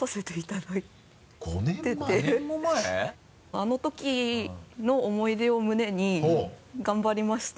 あの時の思い出を胸に頑張りまして。